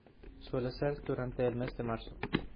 Suele ser durante el mes de marzo.